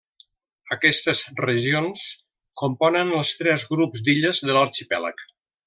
Aquestes regions componen els tres grups d'illes de l'arxipèlag: